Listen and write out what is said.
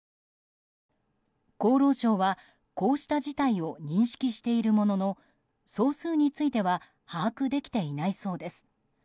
厚労省は、こうした事態を認識しているものの総数については把握できていないそうです。